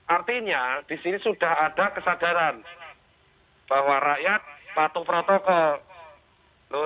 artinya disini sudah ada kesadaran bahwa rakyat patuh protokol